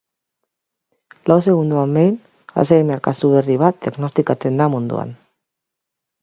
Lau segundoan behin alzheimer kasu berri bat diagnostikatzen da munduan.